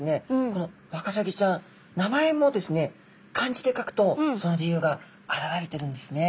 このワカサギちゃん名前もですね漢字で書くとその理由が表れてるんですね。